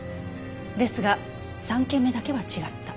ですが３件目だけは違った。